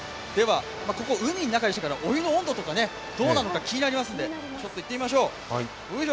ここ、海の中ですからお湯の温度とかどうなるのか気になりますんでちょっと行ってみましょう。